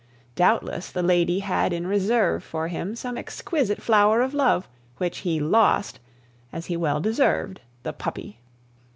Doubtless the lady had in reserve for him some exquisite flower of love, which he lost, as he well deserved the puppy!